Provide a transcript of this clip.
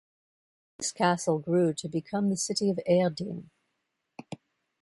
This castle grew to become the city of Erding.